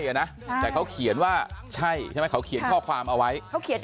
อ่ะนะแต่เขาเขียนว่าใช่ใช่ไหมเขาเขียนข้อความเอาไว้เขาเขียน